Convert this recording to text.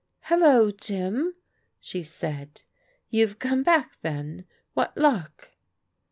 " Hello, Jim," she said, " you have come back then. What luck?"